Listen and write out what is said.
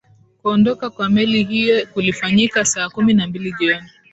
kuondoka kwa meli hiyo kulifanyika saa kumi na mbili jioni